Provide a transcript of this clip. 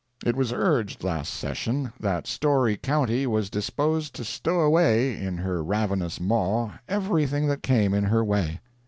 It was urged, last session, that Storey county was disposed to stow away, in her ravenous maw, everything that came in her way.